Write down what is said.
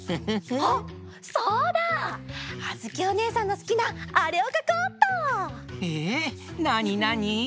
あづきおねえさんのすきなあれをかこうっと！えなになに？